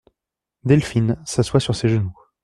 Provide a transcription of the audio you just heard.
Delphine s'assoit sur ses genoux.